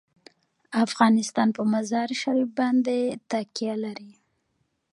افغانستان په مزارشریف باندې تکیه لري.